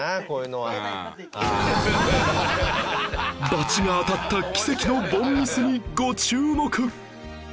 バチが当たった奇跡の凡ミスにご注目！